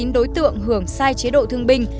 đối tượng hưởng sai chế độ thương binh